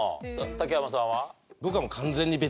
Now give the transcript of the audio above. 竹山さんは？